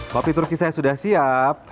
kopi turki saya sudah siap